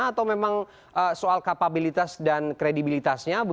atau memang soal kapabilitas dan kredibilitasnya